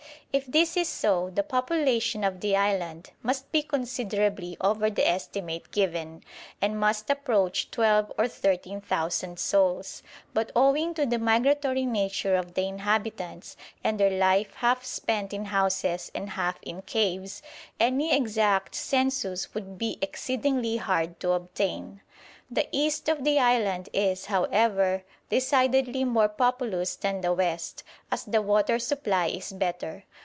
If this is so, the population of the island must be considerably over the estimate given, and must approach twelve or thirteen thousand souls; but owing to the migratory nature of the inhabitants, and their life half spent in houses and half in caves, any exact census would be exceedingly hard to obtain. The east of the island is, however, decidedly more populous than the west, as the water supply is better.